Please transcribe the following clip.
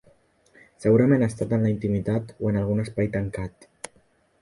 Segurament ha estat en la intimitat o en algun espai tancat.